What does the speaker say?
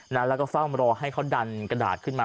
แล้วก็เฝ้ารอให้เขาดันกระดาษขึ้นมา